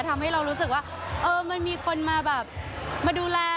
ทำให้เรารู้สึกว่ามันมีคนมาแบบมาดูแล